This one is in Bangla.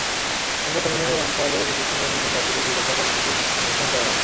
সংবাদ সম্মেলনে রামপালে বিদ্যুৎকেন্দ্র নির্মাণ বাতিলে দুই দফা কর্মসূচির ঘোষণা দেওয়া হয়।